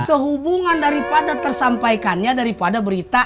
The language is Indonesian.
sehubungan daripada tersampaikannya daripada berita